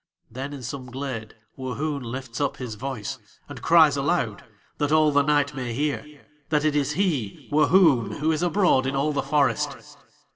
Then in some glade Wohoon lifts up his voice and cries aloud, that all the night may hear, that it is he, Wohoon, who is abroad in all the forest.